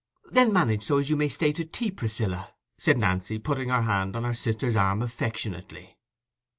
"Then manage so as you may stay tea, Priscilla," said Nancy, putting her hand on her sister's arm affectionately.